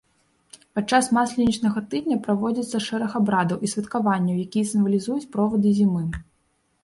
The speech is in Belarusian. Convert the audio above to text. Падчас масленічнага тыдня праводзіцца шэраг абрадаў і святкаванняў, якія сімвалізуюць провады зімы.